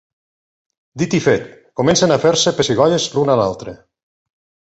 Dit i fet, comencen a fer-se pessigolles l'un a l'altre.